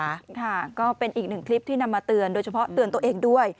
ค่ะก็เป็นอีกหนึ่งคลิปที่นำมาเตือนโดยเฉพาะเตือนตัวเองด้วย